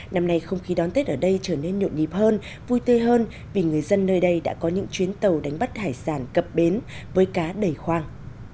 năm nay không khí đón tết ở đây trở nên nhộn nhịp hơn vui tươi hơn vì người dân nơi đây đã có những chuyến tàu đánh bắt hải sản cập bến với cá đầy khoang